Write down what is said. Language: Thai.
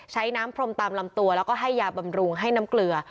ใช้น้ำพรมตามลำตัวแล้วก็ให้ยาบำรุงให้น้ำเกลือ